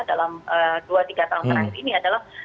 dalam dua tiga tahun terakhir ini adalah